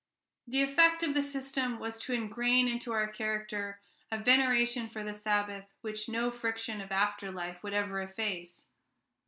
The effect of the system was to ingrain into our character a veneration for the Sabbath which no friction of after life would ever efface.